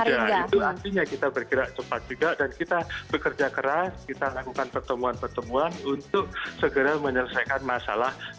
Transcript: ada itu artinya kita bergerak cepat juga dan kita bekerja keras kita lakukan pertemuan pertemuan untuk segera menyelesaikan masalah